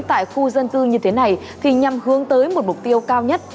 tại khu dân cư như thế này thì nhằm hướng tới một mục tiêu cao nhất